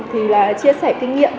thì là chia sẻ kinh nghiệm